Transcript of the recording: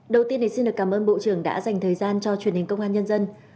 đầu tiên thì xin được cảm ơn bộ trưởng đã dành thời gian cho truyền hình công an nhân dân